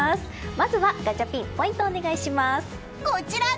まずは、ガチャピンポイントをお願いします。